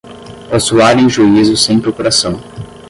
postular em juízo sem procuração